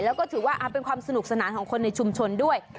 แล้วก็ถือว่าเป็นความสนุกสนานของคนในชุมชนด้วย